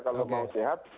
kalau mau sehat